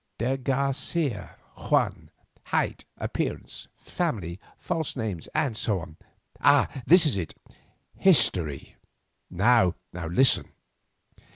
"De Garcia—Juan. Height, appearance, family, false names, and so on. This is it—history. Now listen."